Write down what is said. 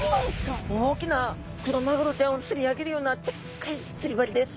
大きなクロマグロちゃんを釣り上げるようなでっかい釣り針です。